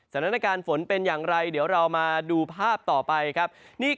สถานการณ์ฝนเป็นอย่างไรเดี๋ยวเรามาดูภาพต่อไปครับ